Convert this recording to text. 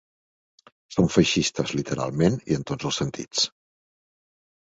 Són feixistes literalment i en tots els sentits.